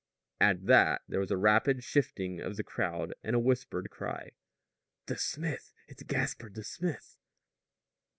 At that there was a rapid shifting of the crowd and a whispered cry: "The smith! It's Gaspard the smith!"